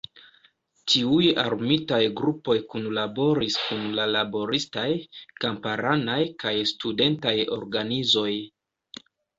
Tiuj armitaj grupoj kunlaboris kun la laboristaj, kamparanaj kaj studentaj organizoj.